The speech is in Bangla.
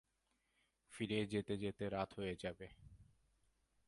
ফিরে যেতে যেতে রাত হয়ে যাবে।